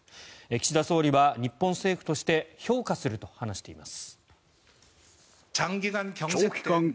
岸田総理は、日本政府として評価すると話しています。